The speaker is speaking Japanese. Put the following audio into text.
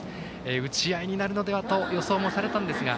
打ち合いになるのではと予想もされたんですが。